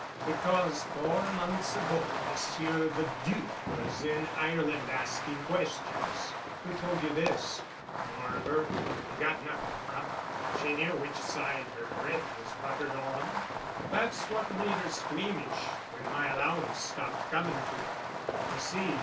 "Because four months ago Monsieur the Duc was in Ireland asking questions." "Who told you this?" "Nora Burke. He got nothing from her. She knew which side her bread was buttered on. But that's what made her squeamish when my allowance stopped coming to her." "I see.